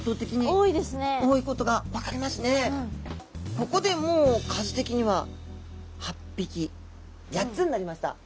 ここでもう数的には８匹８つになりました。